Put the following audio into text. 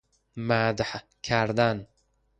مدح کردن